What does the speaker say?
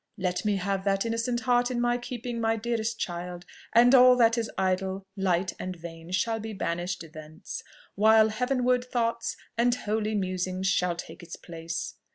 Let me have that innocent heart in my keeping, my dearest child, and all that is idle, light, and vain shall be banished thence, while heavenward thoughts and holy musings shall take its place.